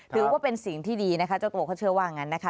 ถือว่าเป็นสิ่งที่ดีนะคะเจ้าตัวเขาเชื่อว่างั้นนะคะ